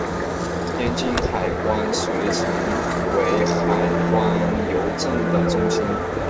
天津海关遂成为海关邮政的中心。